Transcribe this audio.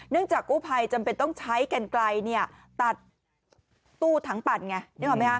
เนื่องจากกู้ภัยจำเป็นต้องใช้แก่นไกลตัดตู้ถังปั่นไง